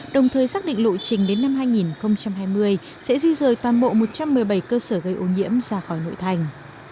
đồng thời xác định lộ trình đến năm hai nghìn hai mươi sẽ di rời toàn bộ một trăm một mươi bảy cơ sở gây ô nhiễm ra khỏi nội thành